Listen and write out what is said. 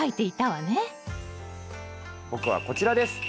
僕はこちらです。